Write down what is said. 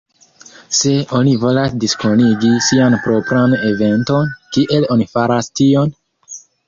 Se oni volas diskonigi sian propran eventon, kiel oni faras tion?